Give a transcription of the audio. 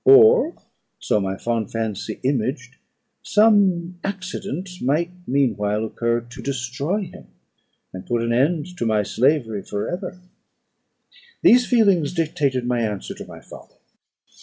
Or (so my fond fancy imaged) some accident might meanwhile occur to destroy him, and put an end to my slavery for ever. These feelings dictated my answer to my father.